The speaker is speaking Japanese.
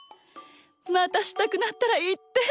またしたくなったらいって！